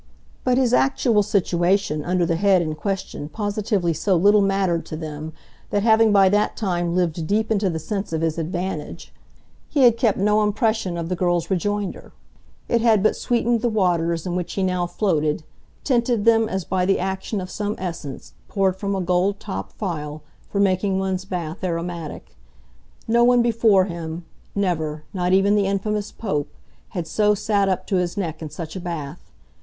But his actual situation under the head in question positively so little mattered to them that, having by that time lived deep into the sense of his advantage, he had kept no impression of the girl's rejoinder. It had but sweetened the waters in which he now floated, tinted them as by the action of some essence, poured from a gold topped phial, for making one's bath aromatic. No one before him, never not even the infamous Pope had so sat up to his neck in such a bath.